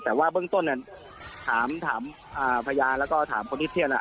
แต่ว่าเบื้องต้นเนี่ยถามถามอ่าพยายามแล้วก็ถามคนที่เที่ยวน่ะ